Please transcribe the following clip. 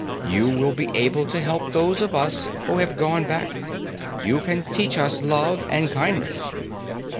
You will be able to help those of us who have gone back. You can teach us love and kindliness."